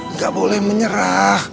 nggak boleh menyerah